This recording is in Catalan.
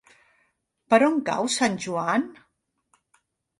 Per on cau Sant Joan?